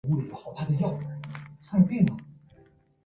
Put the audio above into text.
勃艮第公爵宫是法国城市第戎一组保存非常完好的建筑群。